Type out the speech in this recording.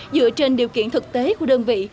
dựa trên điều kiện thực tế của đơn vị